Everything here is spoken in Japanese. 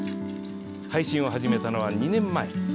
配信を始めたのは２年前。